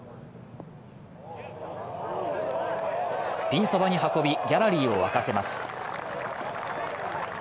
ピンそばに運び、ギャラリーを沸かせます。